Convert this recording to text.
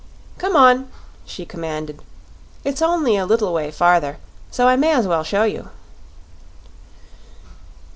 "Come on," she commanded. "It's only a little way farther, so I may as well show you."